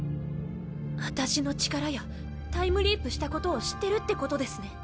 私の力やタイムリープしたことを知ってるってことですね？